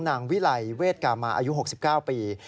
นางวิลัยเวทกามาอายุ๖๙ปี